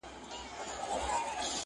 زه قاسم یار چي تل ډېوه ستایمه